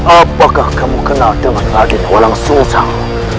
apakah kamu kenal dengan raden walang susang